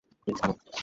Please, আনুন।